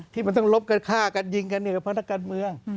ที่มันต้องลบกันฆ่ากันยิงกันเนี่ยก็เพราะนักการเมือง